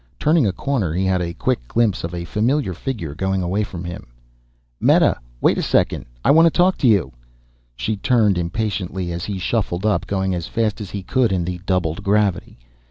Turning a corner he had a quick glimpse of a familiar figure going away from him. "Meta! Wait for a second I want to talk to you." She turned impatiently as he shuffled up, going as fast as he could in the doubled gravity.